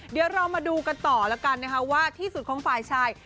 เดี๋ยวเรามาดูกันต่อแล้วกันนะคะว่าที่สุดของฝ่ายชาย